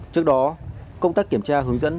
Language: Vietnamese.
trước đó công tác kiểm tra hướng dẫn